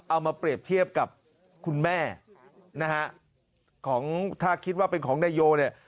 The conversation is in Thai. เอามาเปรียบเทียบกับคุณแม่นะฮะของถ้าคิดว่าเป็นของนายโยเนี่ย